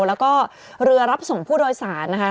แล้วก็เรือรับส่งผู้โดยสารนะคะ